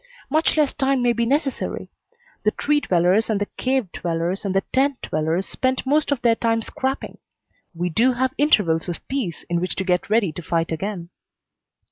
Much less time may be necessary. The tree dwellers and the cave dwellers and the tent dwellers spent most of their time scrapping. We do have intervals of peace in which to get ready to fight again."